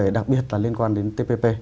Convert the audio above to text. đặc biệt là liên quan đến tpp